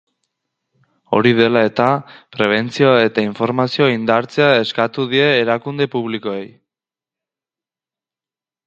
Hori dela eta, prebentzioa eta informazioa indartzea eskatu die erakunde publikoei.